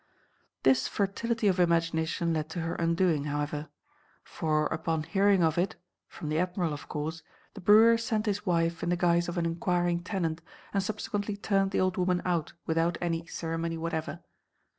This fertility of imagination led to her undoing, however. For upon hearing of it (from the Admiral, of course) the brewer sent his wife in the guise of an enquiring tenant, and subsequently turned the old woman out without any ceremony whatever.